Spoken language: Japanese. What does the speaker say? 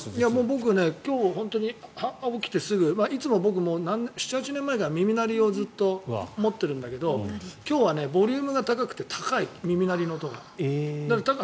僕、今日、起きてすぐ僕、７８年前から耳鳴りをずっと持っているんだけど今日はボリュームが高くて耳鳴りの音が高い。